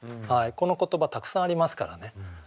この言葉たくさんありますからね。